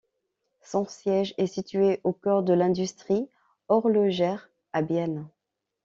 Son siège est situé au cœur de l'industrie horlogère, à Bienne.